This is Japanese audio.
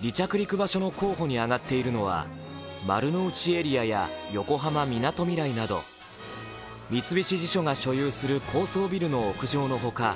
離着陸場所の候補に上がっているのは丸の内エリアや横浜みなとみらいなど三菱地所が所有する高層ビルの屋上のほか